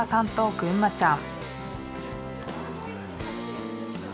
ぐんまちゃん